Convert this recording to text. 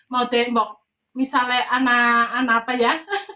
mau diambil misalnya anak anaknya